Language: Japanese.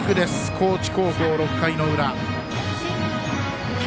高知高校、６回の裏。